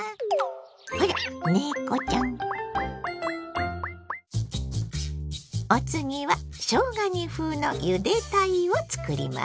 あら猫ちゃん！お次はしょうが煮風のゆで鯛を作ります。